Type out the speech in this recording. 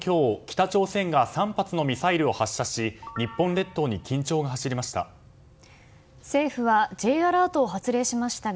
北朝鮮が３発のミサイルを発射し日本列島に緊張が走りました。